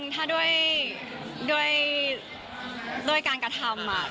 ตอบโอเคตอบนั้น